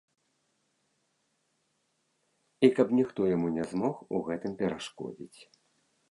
І каб ніхто яму не змог у гэтым перашкодзіць.